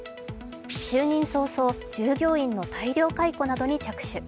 就任早々従業員の大量解雇などに着手。